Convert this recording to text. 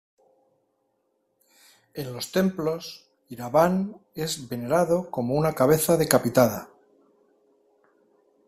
En los templos, Iraván es venerado como una cabeza decapitada.